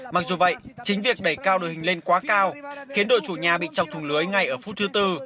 mặc dù vậy chính việc đẩy cao đội hình lên quá cao khiến đội chủ nhà bị chọc thùng lưới ngay ở phút thứ tư